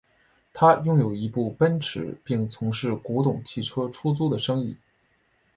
他拥有一部奔驰并从事古董汽车出租的生意。